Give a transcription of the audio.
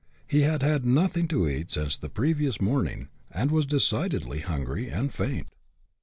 He had had nothing to eat since the previous morning, and was decidedly hungry and faint.